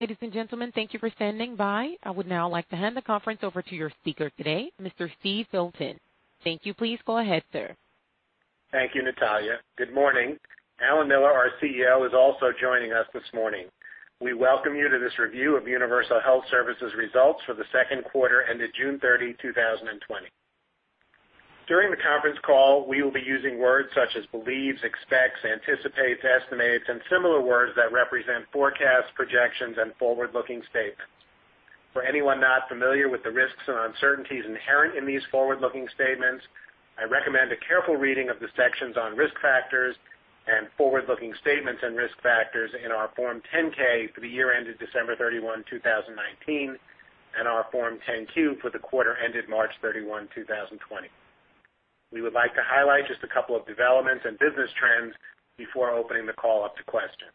Ladies and gentlemen, thank you for standing by. I would now like to hand the conference over to your speaker today, Mr. Steve Filton. Thank you. Please go ahead, sir. Thank you, Natalia. Good morning. Alan Miller, our CEO, is also joining us this morning. We welcome you to this review of Universal Health Services' results for the second quarter ended June 30, 2020. During the conference call, we will be using words such as believes, expects, anticipates, estimates, and similar words that represent forecasts, projections, and forward-looking statements. For anyone not familiar with the risks and uncertainties inherent in these forward-looking statements, I recommend a careful reading of the sections on risk factors and forward-looking statements and risk factors in our Form 10-K for the year ended December 31, 2019, and our Form 10-Q for the quarter ended March 31, 2020. We would like to highlight just a couple of developments and business trends before opening the call up to questions.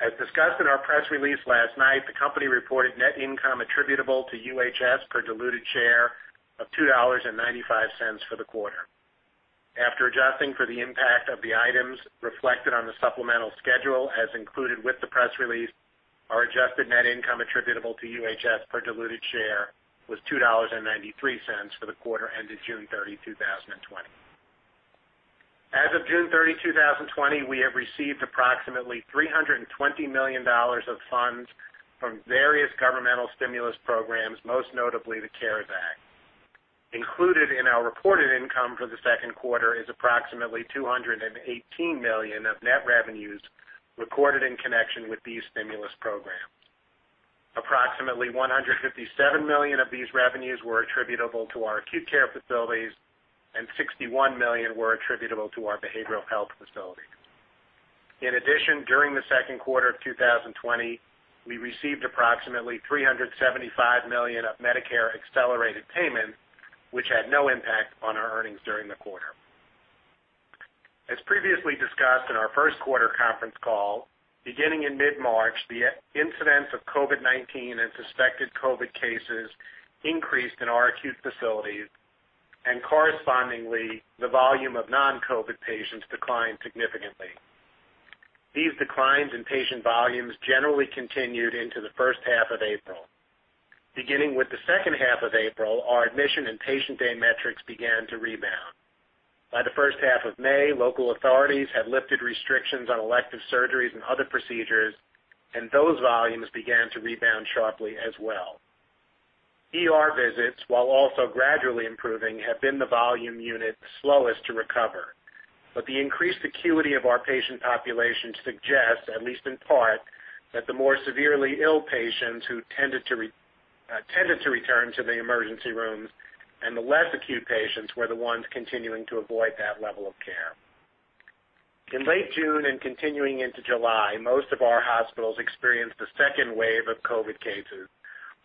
As discussed in our press release last night, the company reported net income attributable to UHS per diluted share of $2.95 for the quarter. After adjusting for the impact of the items reflected on the supplemental schedule as included with the press release, our adjusted net income attributable to UHS per diluted share was $2.93 for the quarter ended June 30, 2020. As of June 30, 2020, we have received approximately $320 million of funds from various governmental stimulus programs, most notably the CARES Act. Included in our reported income for the second quarter is approximately $218 million of net revenues recorded in connection with these stimulus programs. Approximately $157 million of these revenues were attributable to our acute care facilities, and $61 million were attributable to our behavioral health facilities. In addition, during the second quarter of 2020, we received approximately $375 million of Medicare accelerated payment, which had no impact on our earnings during the quarter. As previously discussed in our first quarter conference call, beginning in mid-March, the incidence of COVID-19 and suspected COVID cases increased in our acute facilities, and correspondingly, the volume of non-COVID patients declined significantly. These declines in patient volumes generally continued into the first half of April. Beginning with the second half of April, our admission and patient day metrics began to rebound. By the first half of May, local authorities had lifted restrictions on elective surgeries and other procedures, and those volumes began to rebound sharply as well. ER visits, while also gradually improving, have been the volume unit slowest to recover, but the increased acuity of our patient population suggests, at least in part, that the more severely ill patients who tended to return to the emergency rooms, and the less acute patients were the ones continuing to avoid that level of care. In late June and continuing into July, most of our hospitals experienced a second wave of COVID cases.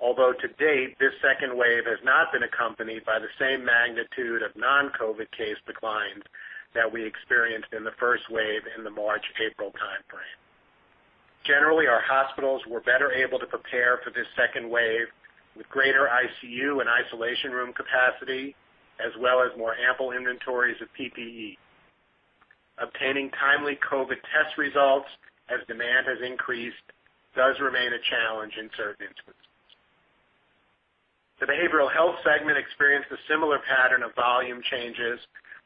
To date, this second wave has not been accompanied by the same magnitude of non-COVID case declines that we experienced in the first wave in the March, April timeframe. Generally, our hospitals were better able to prepare for this second wave with greater ICU and isolation room capacity, as well as more ample inventories of PPE. Obtaining timely COVID test results, as demand has increased, does remain a challenge in certain instances. The behavioral health segment experienced a similar pattern of volume changes,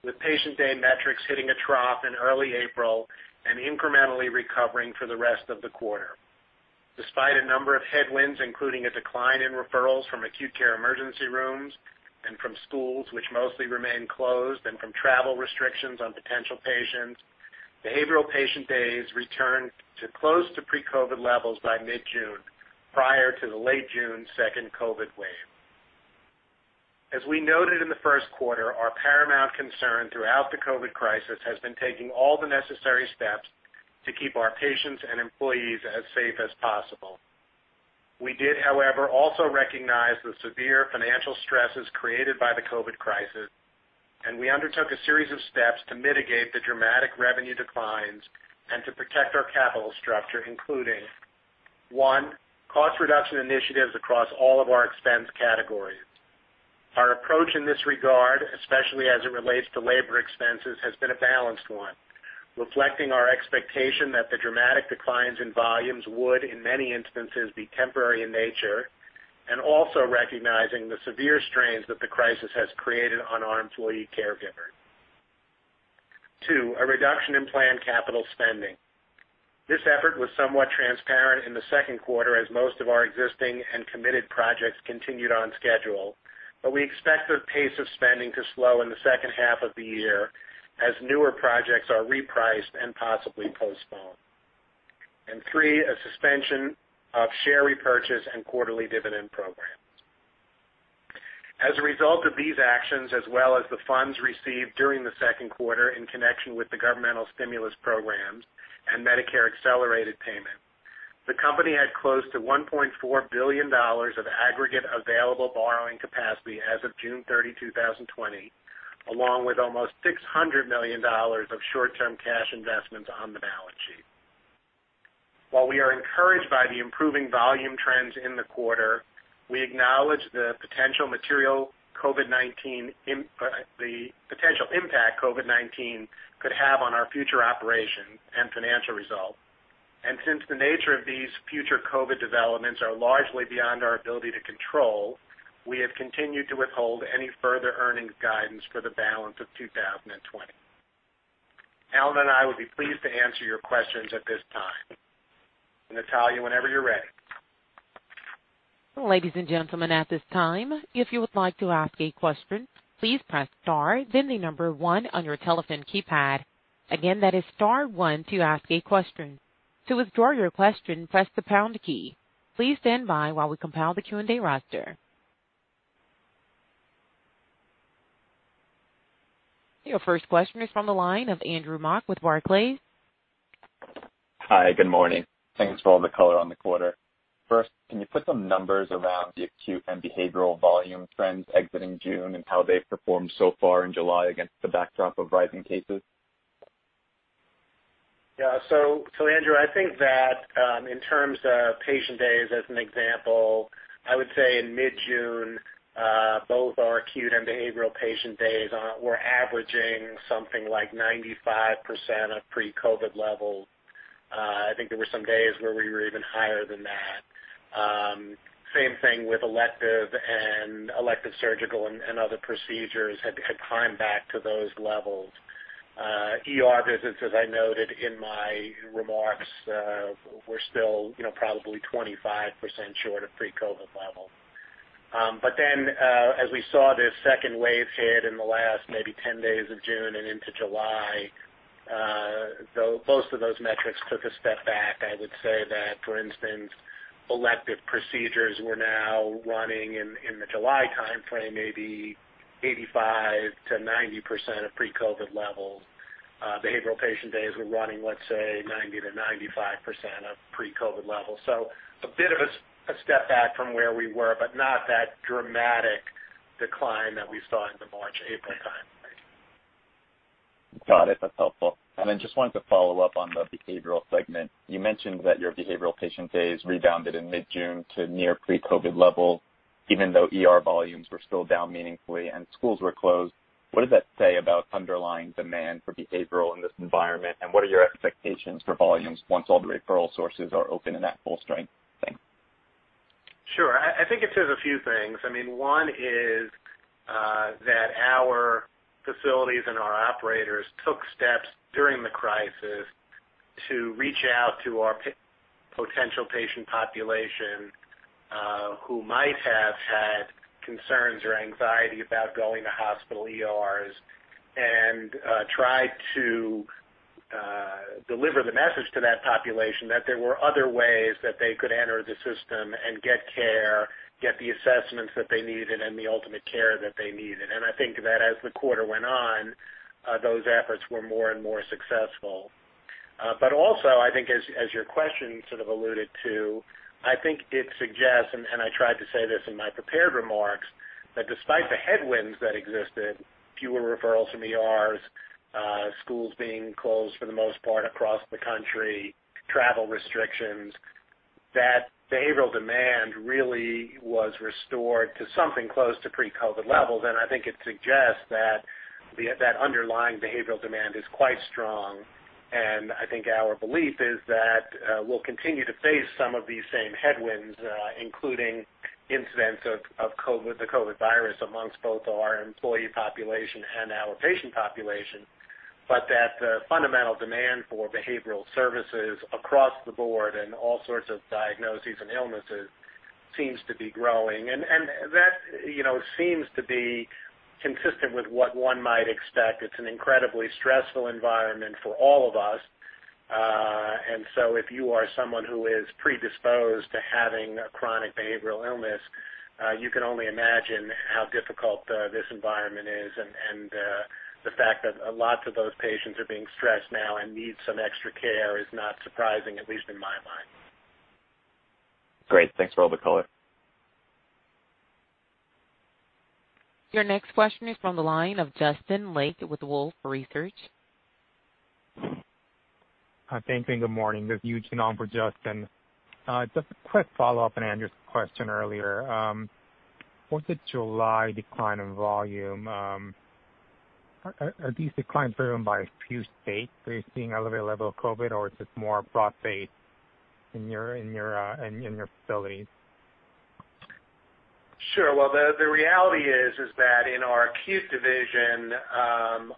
with patient day metrics hitting a trough in early April and incrementally recovering for the rest of the quarter. Despite a number of headwinds, including a decline in referrals from acute care emergency rooms and from schools, which mostly remain closed, and from travel restrictions on potential patients, behavioral patient days returned to close to pre-COVID levels by mid-June, prior to the late June second COVID wave. As we noted in the first quarter, our paramount concern throughout the COVID crisis has been taking all the necessary steps to keep our patients and employees as safe as possible. We did, however, also recognize the severe financial stresses created by the COVID crisis, and we undertook a series of steps to mitigate the dramatic revenue declines and to protect our capital structure, including one, cost reduction initiatives across all of our expense categories. Our approach in this regard, especially as it relates to labor expenses, has been a balanced one, reflecting our expectation that the dramatic declines in volumes would, in many instances, be temporary in nature, and also recognizing the severe strains that the crisis has created on our employee caregivers. Two, a reduction in planned capital spending. This effort was somewhat transparent in the second quarter as most of our existing and committed projects continued on schedule, but we expect the pace of spending to slow in the second half of the year as newer projects are repriced and possibly postponed. Three, a suspension of share repurchase and quarterly dividend programs. As a result of these actions, as well as the funds received during the second quarter in connection with the governmental stimulus programs and Medicare accelerated payment, the company had close to $1.4 billion of aggregate available borrowing capacity as of June 30, 2020, along with almost $600 million of short-term cash investments on the balance sheet. While we are encouraged by the improving volume trends in the quarter, we acknowledge the potential impact COVID-19 could have on our future operations and financial results. Since the nature of these future COVID developments are largely beyond our ability to control, we have continued to withhold any further earnings guidance for the balance of 2020. Alan and I would be pleased to answer your questions at this time. Natalia, whenever you're ready. Ladies and gentlemen, at this time, if you would like to ask a question, please press star then the number one on your telephone keypad. Again, that is star one to ask a question. To withdraw your question, press the pound key. Please stand by while we compile the Q&A roster. Your first question is from the line of Andrew Mok with Barclays. Hi, good morning. Thanks for all the color on the quarter. First, can you put some numbers around the acute and behavioral volume trends exiting June and how they've performed so far in July against the backdrop of rising cases? Andrew, I think that, in terms of patient days, as an example, I would say in mid-June, both our acute and behavioral patient days were averaging something like 95% of pre-COVID-19 levels. I think there were some days where we were even higher than that. Same thing with elective and elective surgical and other procedures had climbed back to those levels. ER visits, as I noted in my remarks, were still probably 25% short of pre-COVID-19 levels. As we saw this second wave hit in the last maybe 10 days of June and into July, both of those metrics took a step back. I would say that, for instance, elective procedures were now running in the July timeframe, maybe 85%-90% of pre-COVID-19 levels. Behavioral patient days were running, let's say, 90%-95% of pre-COVID-19 levels. A bit of a step back from where we were, but not that dramatic decline that we saw in the March/April timeframe. Got it. That's helpful. Just wanted to follow up on the behavioral segment. You mentioned that your behavioral patient days rebounded in mid-June to near pre-COVID levels, even though ER volumes were still down meaningfully and schools were closed. What does that say about underlying demand for behavioral in this environment, and what are your expectations for volumes once all the referral sources are open and at full strength? Thanks. Sure. I think it says a few things. One is that our facilities and our operators took steps during the crisis to reach out to our potential patient population who might have had concerns or anxiety about going to hospital ERs and tried to deliver the message to that population that there were other ways that they could enter the system and get care, get the assessments that they needed, and the ultimate care that they needed. I think that as the quarter went on, those efforts were more and more successful. Also, I think as your question sort of alluded to, I think it suggests, and I tried to say this in my prepared remarks, that despite the headwinds that existed, fewer referrals from ERs, schools being closed for the most part across the country, travel restrictions, that behavioral demand really was restored to something close to pre-COVID-19 levels. I think it suggests that underlying behavioral demand is quite strong, and I think our belief is that we'll continue to face some of these same headwinds, including incidents of the COVID-19 virus amongst both our employee population and our patient population, but that the fundamental demand for behavioral services across the board and all sorts of diagnoses and illnesses seems to be growing. That seems to be consistent with what one might expect. It's an incredibly stressful environment for all of us. If you are someone who is predisposed to having a chronic behavioral illness, you can only imagine how difficult this environment is, and the fact that lots of those patients are being stressed now and need some extra care is not surprising, at least in my mind. Great. Thanks for all the color. Your next question is from the line of Justin Lake with Wolfe Research. Thank you. Good morning. This is Eugene on for Justin. Just a quick follow-up on Andrew's question earlier. Are these declines driven by a few states that are seeing a higher level of COVID, or is this more broad-based in your facilities? Sure. Well, the reality is that in our acute division,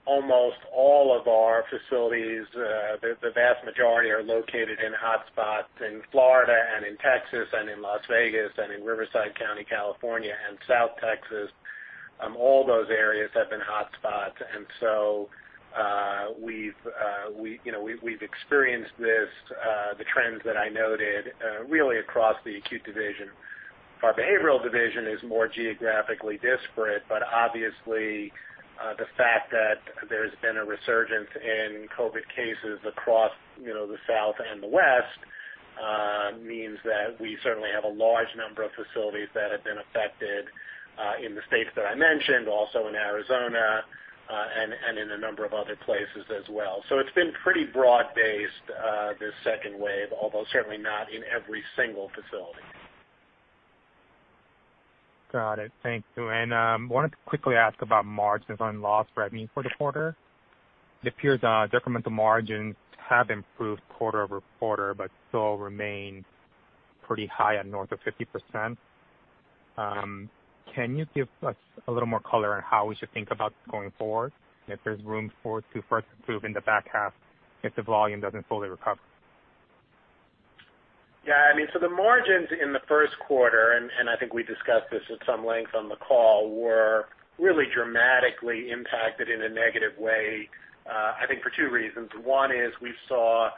almost all of our facilities, the vast majority are located in hotspots in Florida and in Texas and in Las Vegas and in Riverside County, California, and South Texas. All those areas have been hotspots. We've experienced this, the trends that I noted, really across the acute division. Our behavioral division is more geographically disparate. Obviously, the fact that there's been a resurgence in COVID cases across the South and the West means that we certainly have a large number of facilities that have been affected in the states that I mentioned, also in Arizona, and in a number of other places as well. It's been pretty broad-based, this second wave, although certainly not in every single facility. Got it. Thank you. I wanted to quickly ask about margins on loss per diem for the quarter. It appears incremental margins have improved quarter-over-quarter, but still remain pretty high at north of 50%. Can you give us a little more color on how we should think about this going forward? If there's room for it to further improve in the back half, if the volume doesn't fully recover. The margins in the first quarter, and I think we discussed this at some length on the call, were really dramatically impacted in a negative way, I think, for two reasons. One is we saw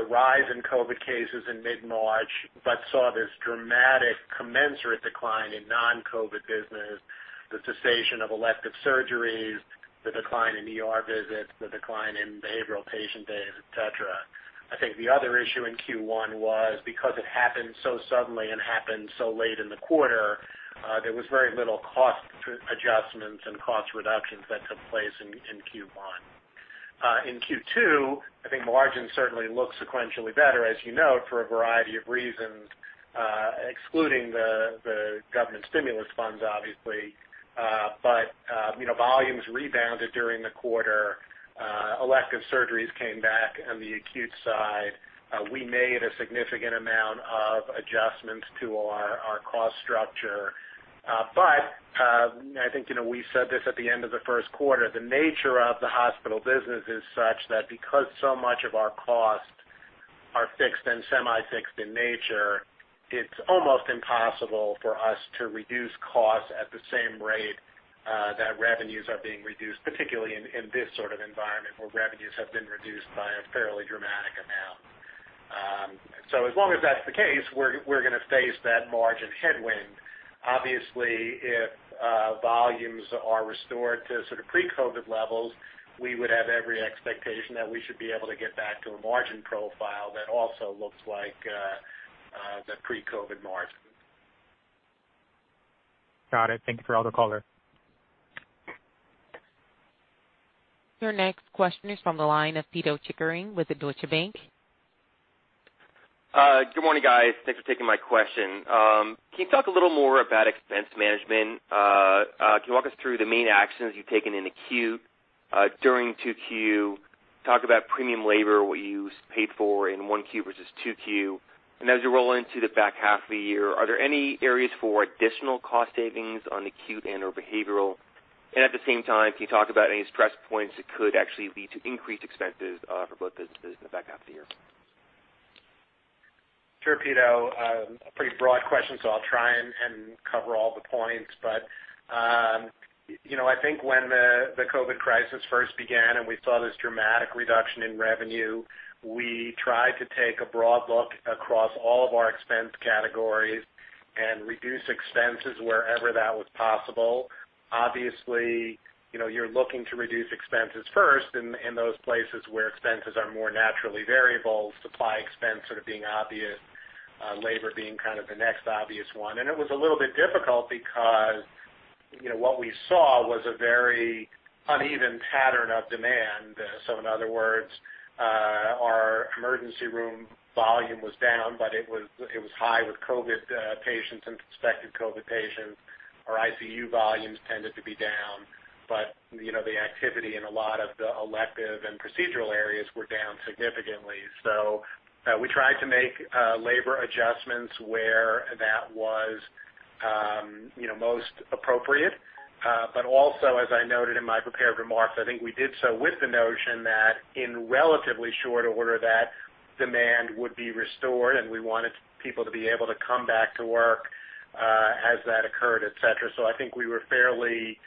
the rise in COVID cases in mid-March, but saw this dramatic commensurate decline in non-COVID business, the cessation of elective surgeries, the decline in ER visits, the decline in behavioral patient days, et cetera. I think the other issue in Q1 was because it happened so suddenly and happened so late in the quarter, there was very little cost adjustments and cost reductions that took place in Q1. In Q2, I think margins certainly look sequentially better, as you note, for a variety of reasons, excluding the government stimulus funds, obviously. Volumes rebounded during the quarter. Elective surgeries came back on the acute side. We made a significant amount of adjustments to our cost structure. I think we said this at the end of the first quarter. The nature of the hospital business is such that, because so much of our costs are fixed and semi-fixed in nature, it's almost impossible for us to reduce costs at the same rate that revenues are being reduced, particularly in this sort of environment where revenues have been reduced by a fairly dramatic amount. As long as that's the case, we're going to face that margin headwind. Obviously, if volumes are restored to pre-COVID levels, we would have every expectation that we should be able to get back to a margin profile that also looks like the pre-COVID margin. Got it. Thank you for all the color. Your next question is from the line of Pito Chickering with Deutsche Bank. Good morning, guys. Thanks for taking my question. Can you talk a little more about expense management? Can you walk us through the main actions you've taken in acute during 2Q? Talk about premium labor, what you paid for in 1Q versus 2Q. As you roll into the back half of the year, are there any areas for additional cost savings on acute and/or behavioral? At the same time, can you talk about any stress points that could actually lead to increased expenses for both businesses in the back half of the year? Sure, Pito. A pretty broad question, so I'll try and cover all the points. I think when the COVID crisis first began, and we saw this dramatic reduction in revenue, we tried to take a broad look across all of our expense categories and reduce expenses wherever that was possible. Obviously, you're looking to reduce expenses first in those places where expenses are more naturally variable, supply expense sort of being obvious, labor being kind of the next obvious one. It was a little bit difficult because what we saw was a very uneven pattern of demand. In other words, our emergency room volume was down, but it was high with COVID patients and suspected COVID patients. Our ICU volumes tended to be down. The activity in a lot of the elective and procedural areas were down significantly. We tried to make labor adjustments where that was most appropriate. Also, as I noted in my prepared remarks, I think we did so with the notion that in relatively short order that, demand would be restored, and we wanted people to be able to come back to work as that occurred, et cetera. I think we were fairly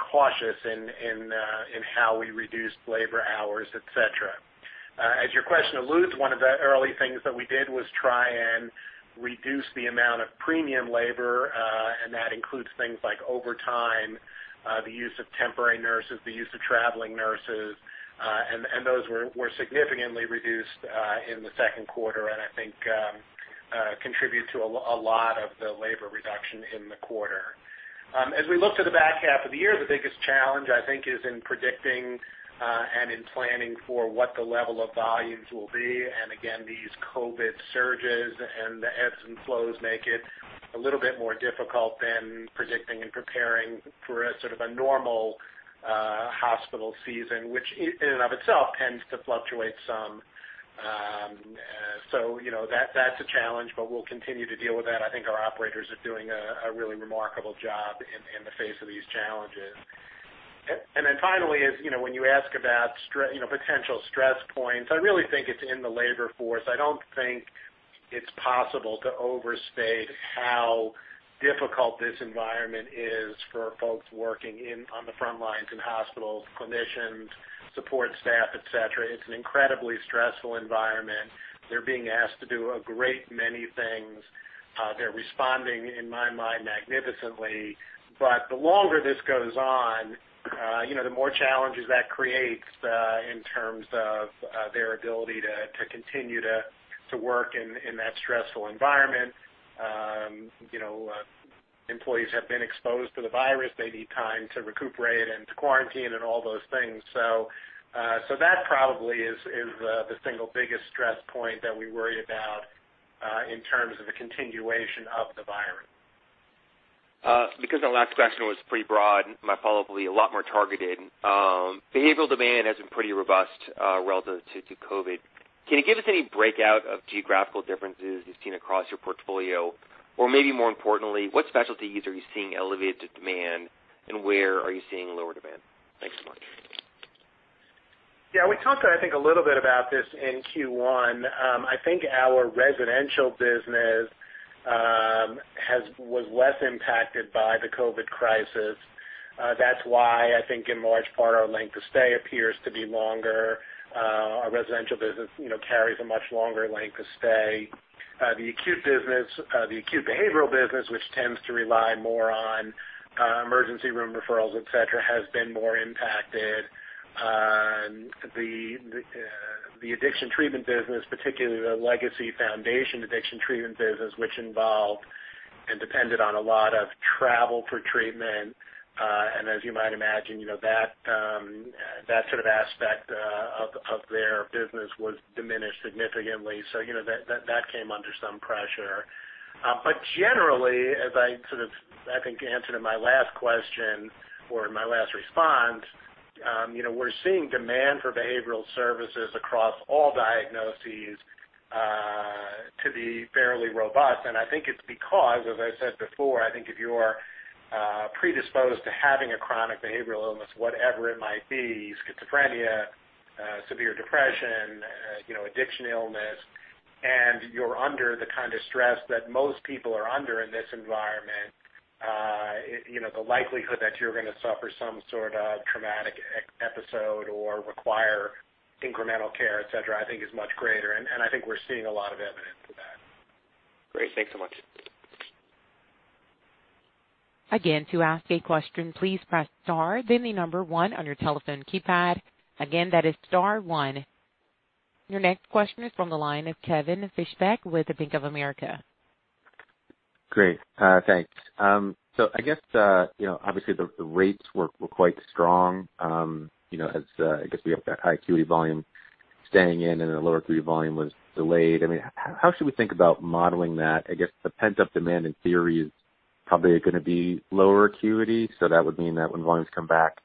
cautious in how we reduced labor hours, et cetera. As your question alludes, one of the early things that we did was try and reduce the amount of premium labor, and that includes things like overtime, the use of temporary nurses, the use of traveling nurses. Those were significantly reduced in the second quarter, and I think contribute to a lot of the labor reduction in the quarter. As we look to the back half of the year, the biggest challenge, I think, is in predicting and in planning for what the level of volumes will be. Again, these COVID surges and the ebbs and flows make it a little bit more difficult than predicting and preparing for a sort of a normal hospital season, which in and of itself tends to fluctuate some. That's a challenge, but we'll continue to deal with that. I think our operators are doing a really remarkable job in the face of these challenges. Finally is, when you ask about potential stress points, I really think it's in the labor force. I don't think it's possible to overstate how difficult this environment is for folks working on the front lines in hospitals, clinicians, support staff, et cetera. It's an incredibly stressful environment. They're being asked to do a great many things. They're responding, in my mind, magnificently. The longer this goes on, the more challenges that creates in terms of their ability to continue to work in that stressful environment. You know, employees have been exposed to the virus. They need time to recuperate and to quarantine and all those things. That probably is the single biggest stress point that we worry about in terms of the continuation of the virus. Because the last question was pretty broad, my follow-up will be a lot more targeted. Behavioral demand has been pretty robust relative to COVID. Can you give us any breakout of geographical differences you've seen across your portfolio? Maybe more importantly, what specialties are you seeing elevated demand and where are you seeing lower demand? Thanks so much. Yeah, we talked, I think, a little bit about this in Q1. I think our residential business was less impacted by the COVID crisis. That's why I think in large part, our length of stay appears to be longer. Our residential business carries a much longer length of stay. The acute behavioral business, which tends to rely more on emergency room referrals, et cetera, has been more impacted. The addiction treatment business, particularly the Foundations Recovery Network addiction treatment business, which involved and depended on a lot of travel for treatment, as you might imagine, that sort of aspect of their business was diminished significantly. That came under some pressure. Generally, as I sort of, I think, answered in my last question or in my last response, we're seeing demand for behavioral services across all diagnoses to be fairly robust. I think it's because, as I said before, I think if you are predisposed to having a chronic behavioral illness, whatever it might be, schizophrenia, severe depression, addiction illness, and you're under the kind of stress that most people are under in this environment, the likelihood that you're going to suffer some sort of traumatic episode or require incremental care, et cetera, I think is much greater, and I think we're seeing a lot of evidence of that. Great. Thanks so much. Again, to ask a question, please press star then the number one on your telephone keypad. Again, that is star one. Your next question is from the line of Kevin Fischbeck with Bank of America. Great. Thanks. I guess, obviously, the rates were quite strong, as I guess we have that high acuity volume staying in, and the lower acuity volume was delayed. How should we think about modeling that? I guess the pent-up demand, in theory, is probably going to be lower acuity. That would mean that when volumes come back,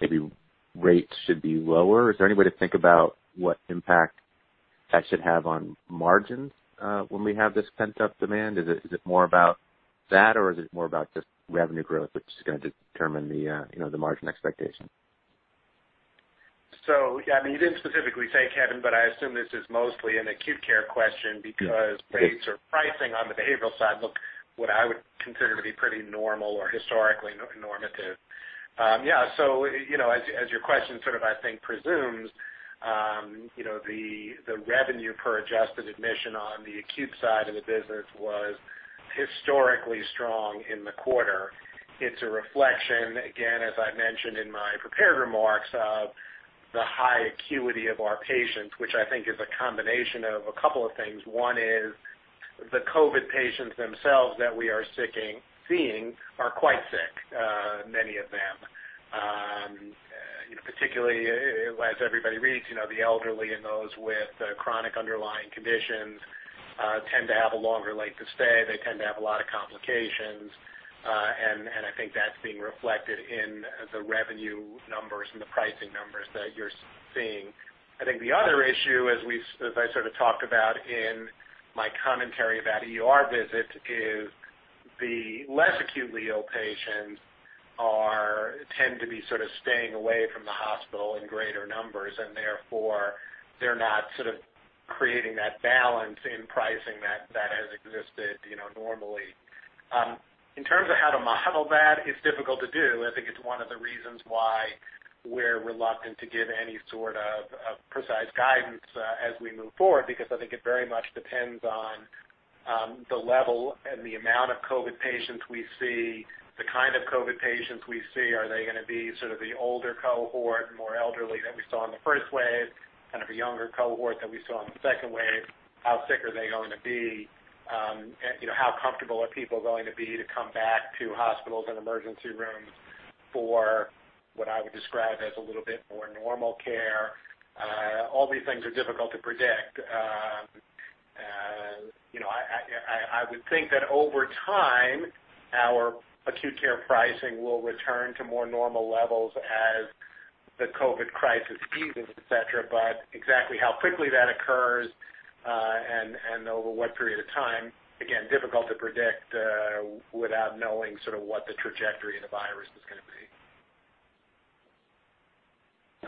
maybe rates should be lower. Is there any way to think about what impact that should have on margins when we have this pent-up demand? Is it more about that, or is it more about just revenue growth, which is going to determine the margin expectation? Yeah, you didn't specifically say, Kevin, but I assume this is mostly an acute care question because rates or pricing on the behavioral side look what I would consider to be pretty normal or historically normative. As your question sort of, I think presumes, the revenue per adjusted admission on the acute side of the business was historically strong in the quarter. It's a reflection, again, as I mentioned in my prepared remarks, of the high acuity of our patients, which I think is a combination of a couple of things. One is the COVID patients themselves that we are seeing are quite sick, many of them. Particularly as everybody reads, the elderly and those with chronic underlying conditions tend to have a longer length of stay. They tend to have a lot of complications. I think that's being reflected in the revenue numbers and the pricing numbers that you're seeing. I think the other issue, as I sort of talked about in my commentary about ER visits, is the less acutely ill patients tend to be sort of staying away from the hospital in greater numbers, and therefore they're not sort of creating that balance in pricing that has existed normally. In terms of how to model that, it's difficult to do. I think it's one of the reasons why we're reluctant to give any sort of precise guidance as we move forward, because I think it very much depends on the level and the amount of COVID patients we see, the kind of COVID patients we see. Are they going to be sort of the older cohort, more elderly than we saw in the first wave, kind of a younger cohort than we saw in the second wave? How sick are they going to be? How comfortable are people going to be to come back to hospitals and emergency rooms for what I would describe as a little bit more normal care? All these things are difficult to predict. I would think that over time, our acute care pricing will return to more normal levels as the COVID crisis eases, et cetera. Exactly how quickly that occurs, and over what period of time, again, difficult to predict without knowing sort of what the trajectory of the virus is going to be.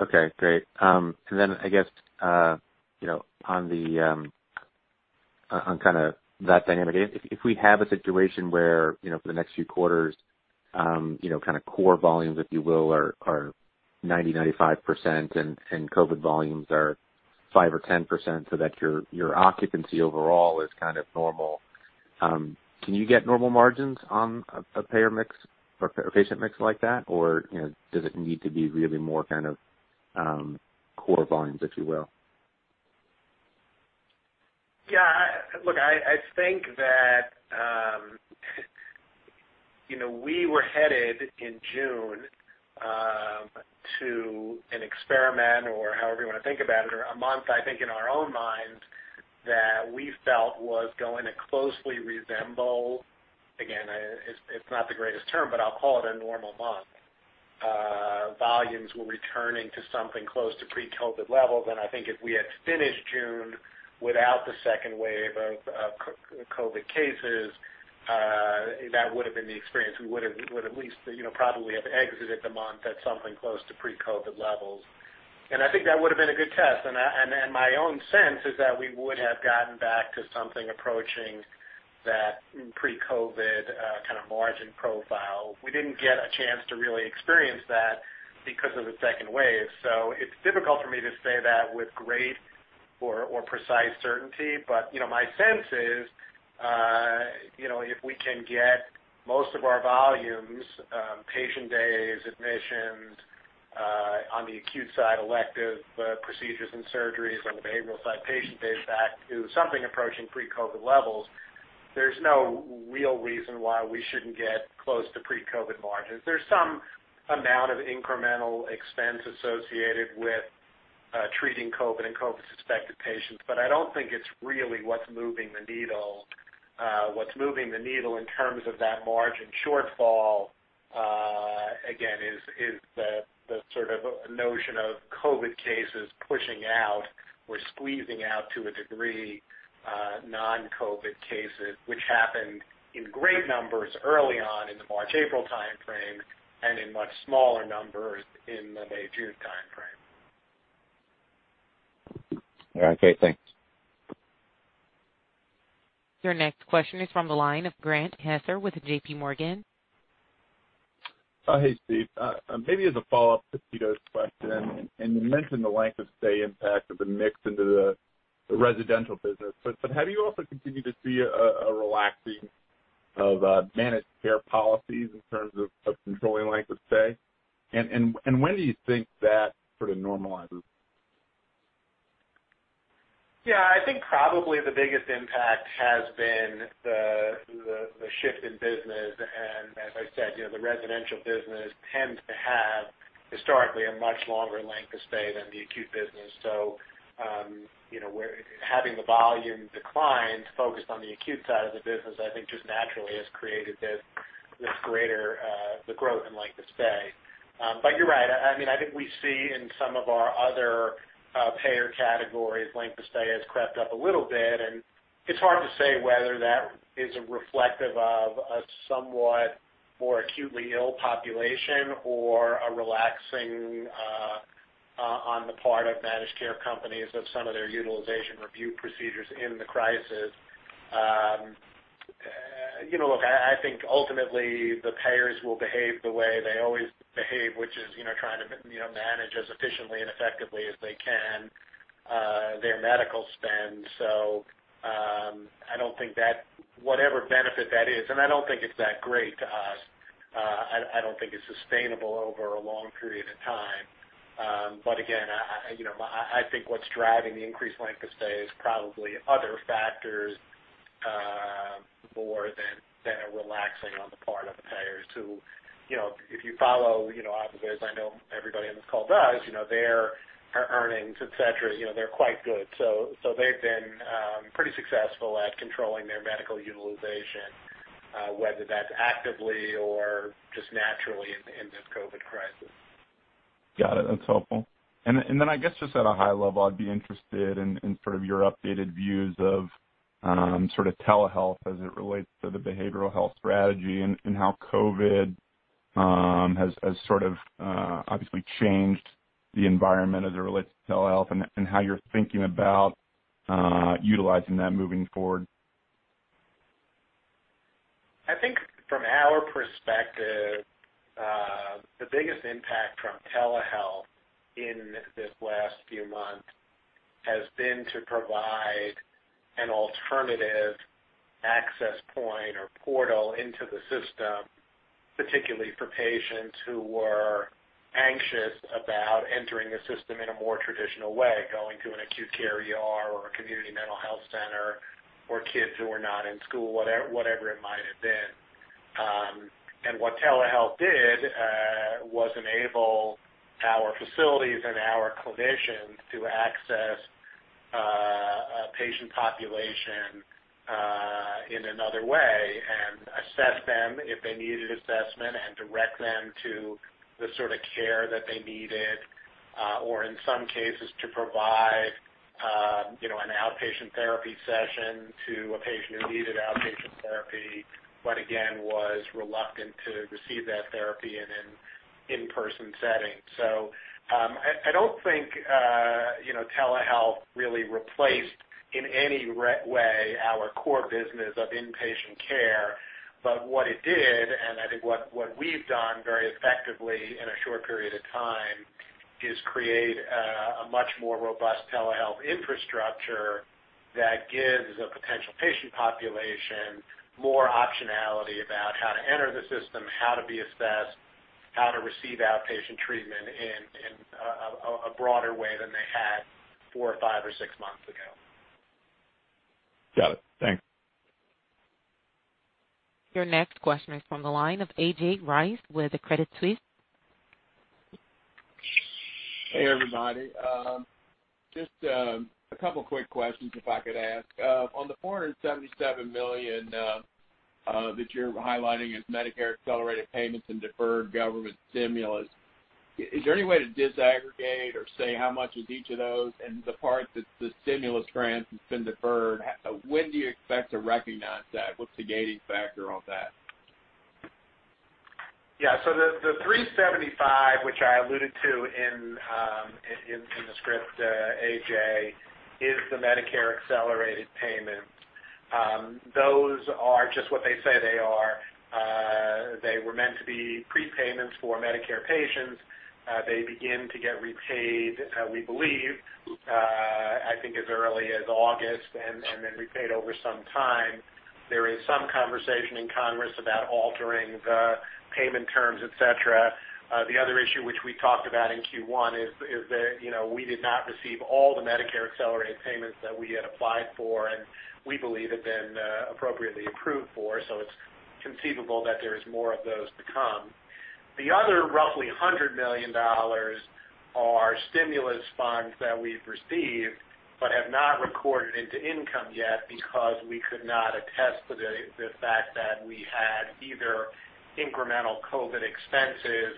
Okay, great. I guess, on kind of that dynamic, if we have a situation where, for the next few quarters, kind of core volumes, if you will, are 90%, 95%, and COVID volumes are 5% or 10%, so that your occupancy overall is kind of normal, can you get normal margins on a payer mix or patient mix like that? Or does it need to be really more kind of core volumes, if you will? Look, I think that we were headed in June to an experiment or however you want to think about it, or a month, I think, in our own minds, that we felt was going to closely resemble, again, it's not the greatest term, but I'll call it a normal month. Volumes were returning to something close to pre-COVID levels. I think if we had finished June without the second wave of COVID cases, that would have been the experience. We would at least probably have exited the month at something close to pre-COVID levels. I think that would have been a good test. My own sense is that we would have gotten back to something approaching that pre-COVID kind of margin profile. We didn't get a chance to really experience that because of the second wave. It's difficult for me to say that with great or precise certainty. My sense is, if we can get most of our volumes, patient days, admissions on the acute side, elective procedures and surgeries on the behavioral side, patient days back to something approaching pre-COVID-19 levels, there's no real reason why we shouldn't get close to pre-COVID-19 margins. There's some amount of incremental expense associated with treating COVID-19 and COVID-19-suspected patients, but I don't think it's really what's moving the needle. What's moving the needle in terms of that margin shortfall, again, is the sort of notion of COVID-19 cases pushing out or squeezing out, to a degree, non-COVID-19 cases, which happened in great numbers early on in the March-April timeframe and in much smaller numbers in the May-June timeframe. All right. Great. Thanks. Your next question is from the line of Grant Hesser with JPMorgan. Hey, Steve. Maybe as a follow-up to Pito's question, you mentioned the length of stay impact of the mix into the residential business, but have you also continued to see a relaxing of managed care policies in terms of controlling length of stay? When do you think that sort of normalizes? Yeah, I think probably the biggest impact has been the shift in business. As I said, the residential business tends to have historically a much longer length of stay than the acute business. Having the volume decline focused on the acute side of the business, I think, just naturally has created this greater growth in length of stay. You're right. I think we see in some of our other payer categories, length of stay has crept up a little bit. It's hard to say whether that is reflective of a somewhat more acutely ill population or a relaxing on the part of managed care companies of some of their utilization review procedures in the crisis. Look, I think ultimately the payers will behave the way they always behave, which is trying to manage as efficiently and effectively as they can their medical spend. I don't think that whatever benefit that is, and I don't think it's that great to us, I don't think it's sustainable over a long period of time. Again, I think what's driving the increased length of stay is probably other factors more than a relaxing on the part of the payers who, if you follow, obviously, as I know everybody on this call does, their earnings, et cetera, they're quite good. They've been pretty successful at controlling their medical utilization, whether that's actively or just naturally in this COVID-19 crisis. Got it. That's helpful. I guess just at a high level, I'd be interested in sort of your updated views of sort of telehealth as it relates to the behavioral health strategy and how COVID has sort of obviously changed the environment as it relates to telehealth and how you're thinking about utilizing that moving forward. I think from our perspective, the biggest impact from telehealth in these last few months has been to provide an alternative access point or portal into the system, particularly for patients who were anxious about entering the system in a more traditional way, going to an acute care ER or a community mental health center for kids who are not in school, whatever it might have been. What telehealth did was enable our facilities and our clinicians to access a patient population in another way and assess them if they needed assessment, and direct them to the sort of care that they needed. In some cases, to provide an outpatient therapy session to a patient who needed outpatient therapy, but again, was reluctant to receive that therapy in an in-person setting. I don't think telehealth really replaced in any way our core business of inpatient care. What it did, and I think what we've done very effectively in a short period of time, is create a much more robust telehealth infrastructure that gives a potential patient population more optionality about how to enter the system, how to be assessed, how to receive outpatient treatment in a broader way than they had four or five or six months ago. Got it. Thanks. Your next question is from the line of A.J. Rice with Credit Suisse. Hey, everybody. Just a couple of quick questions, if I could ask. On the $477 million that you're highlighting as Medicare accelerated payments and deferred government stimulus, is there any way to disaggregate or say how much is each of those? The part that's the stimulus grant that's been deferred, when do you expect to recognize that? What's the gating factor on that? The 375, which I alluded to in the script, A.J., is the Medicare accelerated payment. Those are just what they say they are. They were meant to be prepayments for Medicare patients. They begin to get repaid, we believe, I think, as early as August, and then repaid over some time. There is some conversation in Congress about altering the payment terms, et cetera. The other issue which we talked about in Q1 is that we did not receive all the Medicare accelerated payments that we had applied for, and we believe had been appropriately approved for. It's conceivable that there is more of those to come. The other roughly $100 million are stimulus funds that we've received but have not recorded into income yet because we could not attest to the fact that we had either incremental COVID expenses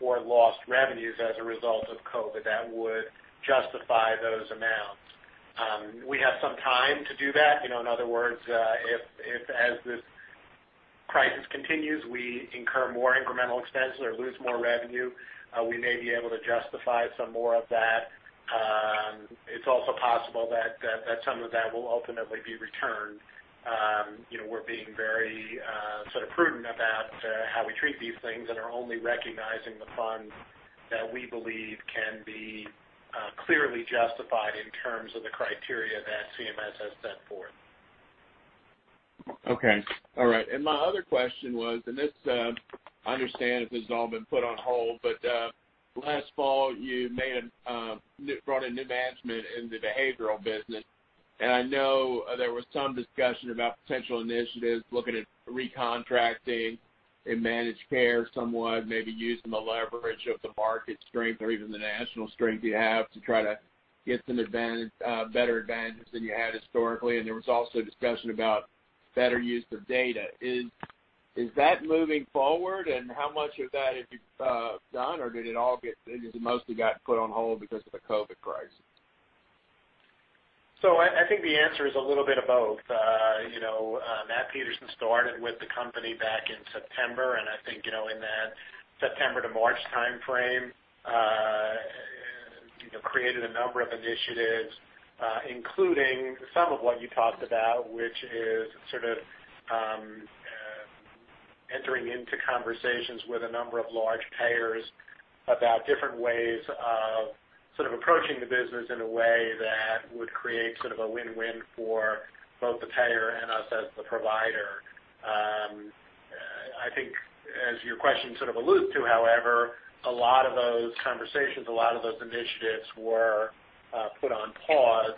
or lost revenues as a result of COVID that would justify those amounts. We have some time to do that. In other words, if, as this crisis continues, we incur more incremental expenses or lose more revenue, we may be able to justify some more of that. It's also possible that some of that will ultimately be returned. We're being very prudent about how we treat these things and are only recognizing the funds that we believe can be clearly justified in terms of the criteria that CMS has set forth. Okay. All right. My other question was, I understand this has all been put on hold. Last fall, you brought in new management in the behavioral business. I know there was some discussion about potential initiatives looking at recontracting and managed care, somewhat, maybe using the leverage of the market strength or even the national strength you have to try to get some better advantage than you had historically. There was also discussion about better use of data. Is that moving forward? How much of that have you done? Did it mostly get put on hold because of the COVID-19 crisis? I think the answer is a little bit of both. Matt Peterson started with the company back in September, and I think in that September to March timeframe, created a number of initiatives, including some of what you talked about, which is sort of entering into conversations with a number of large payers about different ways of approaching the business in a way that would create sort of a win-win for both the payer and us as the provider. I think as your question sort of alludes to, however, a lot of those conversations, a lot of those initiatives were put on pause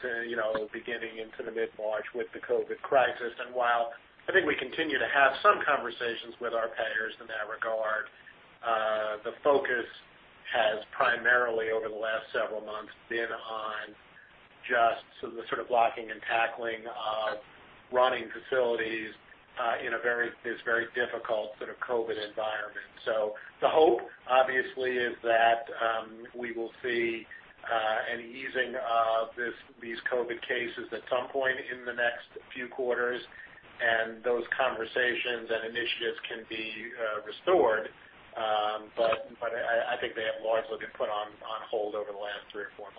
beginning into the mid-March with the COVID crisis. While I think we continue to have some conversations with our payers in that regard, the focus has primarily, over the last several months, been on just the sort of blocking and tackling of running facilities in this very difficult COVID environment. The hope, obviously, is that we will see an easing of these COVID cases at some point in the next few quarters, and those conversations and initiatives can be restored. I think they have largely been put on hold over the last three or four months.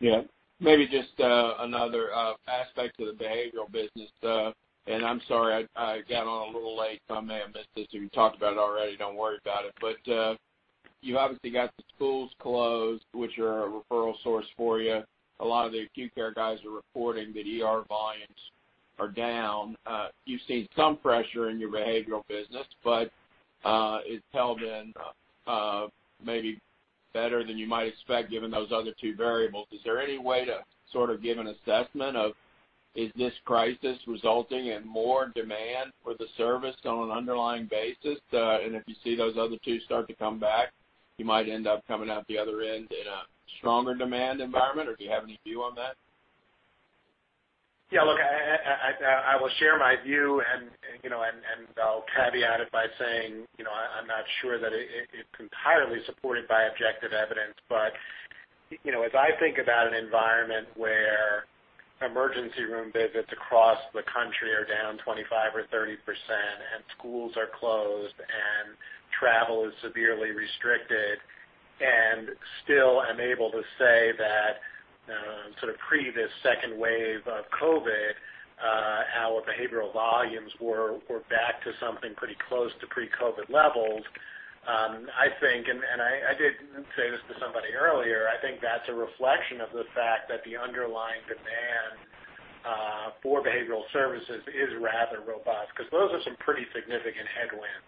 Yeah. Maybe just another aspect of the behavioral business. I'm sorry, I got on a little late, so I may have missed this, or you talked about it already. Don't worry about it. You obviously got the schools closed, which are a referral source for you. A lot of the acute care guys are reporting that ER volumes are down. You've seen some pressure in your behavioral business, but it's held in maybe better than you might expect, given those other two variables. Is there any way to sort of give an assessment of is this crisis resulting in more demand for the service on an underlying basis? If you see those other two start to come back, you might end up coming out the other end in a stronger demand environment, or do you have any view on that? Yeah, look, I will share my view, and I'll caveat it by saying, I'm not sure that it's entirely supported by objective evidence. As I think about an environment where emergency room visits across the country are down 25 or 30%, and schools are closed, and travel is severely restricted, and still I'm able to say that, sort of pre this second wave of COVID, our behavioral volumes were back to something pretty close to pre-COVID levels. I think, and I did say this to somebody earlier, I think that's a reflection of the fact that the underlying demand for behavioral services is rather robust because those are some pretty significant headwinds.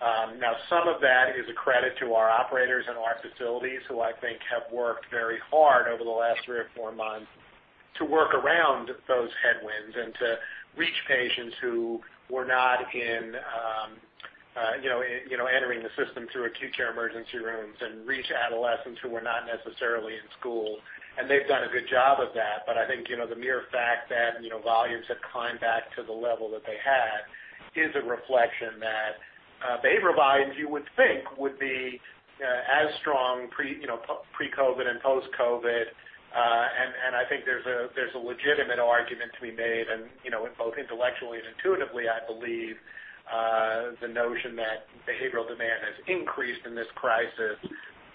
Now, some of that is a credit to our operators and our facilities, who I think have worked very hard over the last three or four months to work around those headwinds and to reach patients who were not entering the system through acute care emergency rooms and reach adolescents who were not necessarily in school. They've done a good job of that. I think the mere fact that volumes have climbed back to the level that they had is a reflection that behavioral volumes, you would think, would be as strong pre-COVID and post-COVID. I think there's a legitimate argument to be made, and both intellectually and intuitively, I believe, the notion that behavioral demand has increased in this crisis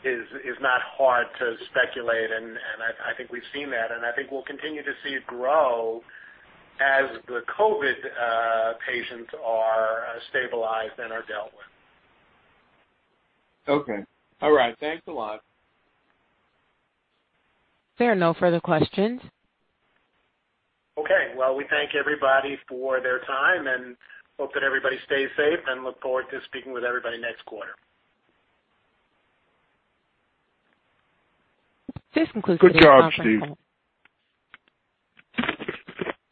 is not hard to speculate, and I think we've seen that, and I think we'll continue to see it grow as the COVID patients are stabilized and are dealt with. Okay. All right. Thanks a lot. There are no further questions. Okay. Well, we thank everybody for their time and hope that everybody stays safe and look forward to speaking with everybody next quarter. This concludes today's conference call. Good job, Steve.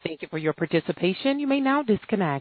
Thank you for your participation. You may now disconnect.